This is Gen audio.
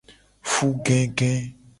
Fugege.